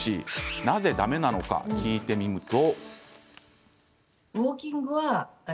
なぜ、だめなのか聞いてみると。